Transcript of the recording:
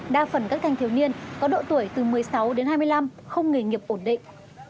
đa phần các thanh thiếu niên có độ tuổi từ một mươi sáu đến hai mươi năm không nghề nghiệp ổn định